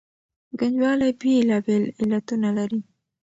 ګنجوالي بېلابېل علتونه لري.